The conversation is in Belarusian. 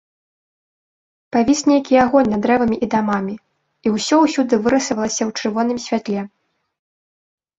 Павіс нейкі агонь над дрэвамі і дамамі, і ўсё ўсюды вырысавалася ў чырвоным святле.